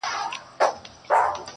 ستا د بنگړو مست شرنگهار وچاته څه وركوي.